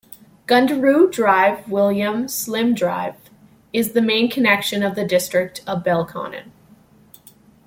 Gundaroo Drive-William Slim Drive is the main connection to the district of Belconnen.